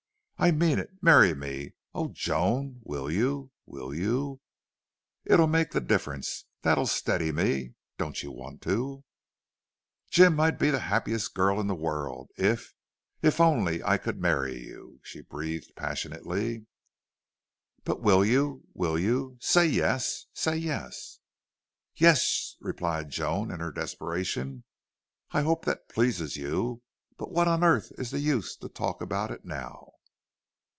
"I mean it. Marry me. Oh, Joan, will you will you? It'll make the difference. That'll steady me. Don't you want to?" "Jim, I'd be the happiest girl in the world if if I only COULD marry you!" she breathed, passionately. "But will you will you? Say yes! Say yes!" "YES!" replied Joan in her desperation. "I hope that pleases you. But what on earth is the use to talk about it now?"